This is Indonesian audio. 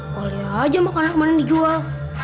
boleh aja makanan kemarin dijual